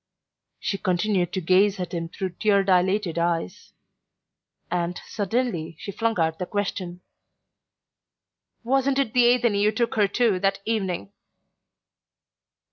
She continued to gaze at him through tear dilated eyes; and suddenly she flung out the question: "Wasn't it the Athenee you took her to that evening?"